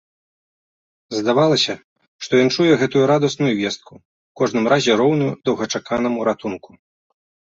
Здавалася, што ён чуе гэта радасную вестку, у кожным разе роўную доўгачаканаму ратунку.